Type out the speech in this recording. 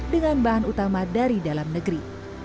dengan bahan utama dari dalam negeri